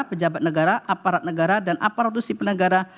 pejabat negara aparat negara dan aparatur sipil negara